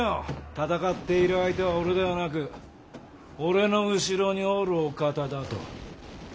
戦っている相手は俺ではなく俺の後ろにおるお方だと。